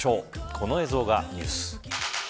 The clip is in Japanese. この映像がニュース。